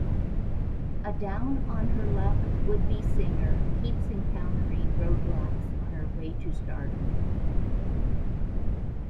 A down-on-her-luck would-be singer keeps encountering roadblocks on her way to stardom.